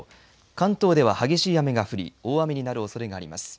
関東では激しい雨が降り大雨になるおそれがあります。